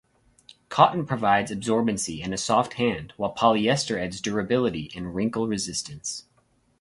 Cotton provides absorbency and a soft hand, while polyester adds durability and wrinkle resistance.